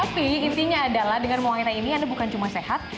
tapi intinya adalah dengan muay thai ini anda bukan cuma sehat